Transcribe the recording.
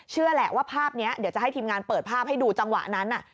เชื่อแหละว่าภาพนี้เดี๋ยวจะให้ทีมงานเปิดภาพให้ดูจังหวะนั้น